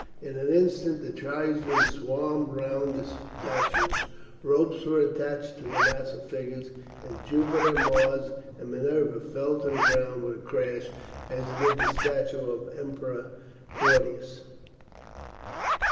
In an instant the tribesmen swarmed round the statues, ropes were attached to the massive figures, and Jupiter, Mars, and Minerva fell to the ground with a crash, as did the statue of the Emperor Claudius.